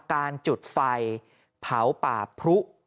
การจุดไฟเผาป่าพรุ